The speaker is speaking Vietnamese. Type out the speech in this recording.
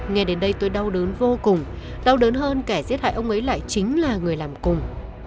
nghe đến đây tôi đau đớn vô cùng đau đớn hơn kẻ giết hại ông ấy lại chính là người làm cùng